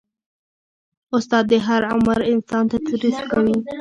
استاد د هر عمر انسان ته تدریس کوي.